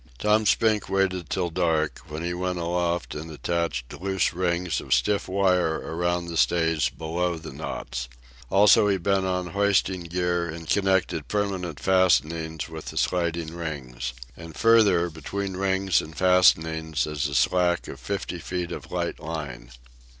Tom Spink waited till dark, when he went aloft and attached loose rings of stiff wire around the stays below the knots. Also he bent on hoisting gear and connected permanent fastenings with the sliding rings. And further, between rings and fastenings, is a slack of fifty feet of light line.